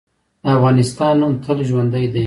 د افغانستان نوم تل ژوندی دی.